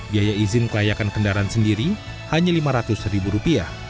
biaya izin kelayakan kendaraan sendiri hanya lima ratus ribu rupiah